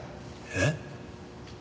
えっ？